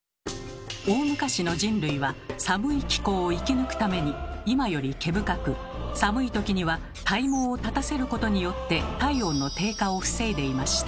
大昔の人類は寒い気候を生き抜くために今より毛深く寒い時には体毛を立たせることによって体温の低下を防いでいました。